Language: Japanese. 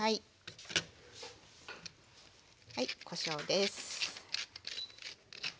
はいこしょうです。